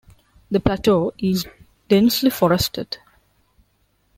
The plateau is densely forested.